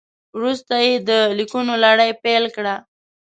وروسته یې د لیکونو لړۍ پیل کړه.